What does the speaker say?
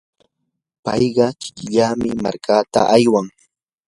payqa kikillanmi markata aywan.